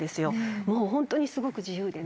もうホントにすごく自由でね。